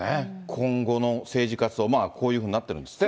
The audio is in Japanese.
今後の政治活動、こういうふうになってるんですって。